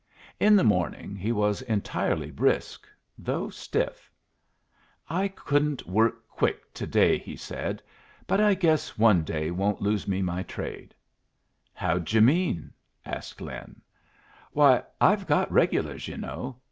In the morning he was entirely brisk, though stiff. "I couldn't work quick to day," he said. "But I guess one day won't lose me my trade." "How d' yu' mean?" asked Lin. "Why, I've got regulars, you know.